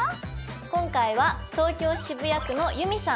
今回は東京・渋谷区のユミさん